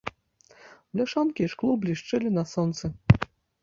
Бляшанкі і шкло блішчэлі на сонцы.